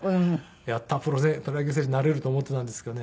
やったプロ野球選手になれると思っていたんですけどね